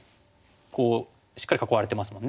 こうしっかり囲われてますもんね。